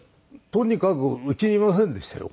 とにかくうちにいませんでしたよ